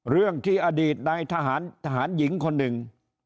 เรื่องที่อดีตนายทหารทหารหญิงคนหนึ่ง